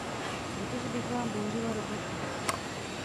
Protože bych vám bouřila Roboty.